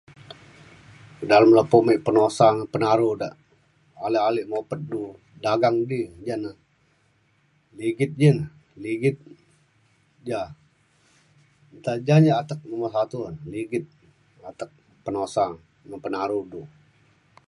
dalem lepo me penusa ngan penaro de ale ale mopet du dagang di ja na ligit ji na ligit ja. ta ja na atek nubun satu ligit atek penusa ngan penaro du.